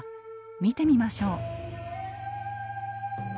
見てみましょう。